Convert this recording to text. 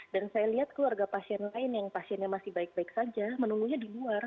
dan saya lihat keluarga pasien lain yang pasiennya masih baik baik saja menunggunya di luar